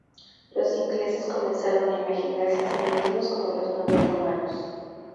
los ingleses comenzaron a imaginarse a sí mismos como los nuevos romanos